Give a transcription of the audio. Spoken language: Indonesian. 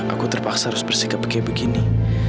aku terpaksa harus bersikap kayak begini